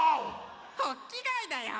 ホッキガイだよ。